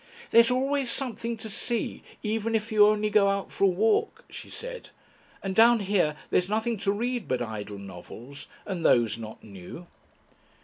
"There's always something to see even if you only go out for a walk," she said, "and down here there's nothing to read but idle novels. And those not new."